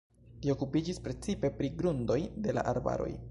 Li okupiĝis precipe pri grundoj de la arbaroj.